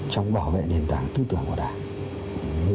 trong bảo vệ nền tảng tư tưởng của đảng